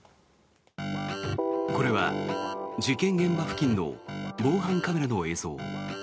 これは、事件現場付近の防犯カメラの映像。